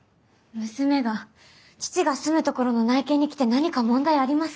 娘が父が住むところの内見に来て何か問題ありますか？